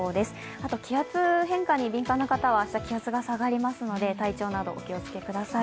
あと気圧変化に敏感な方は、明日気圧が下がりますので体調などお気を付けください。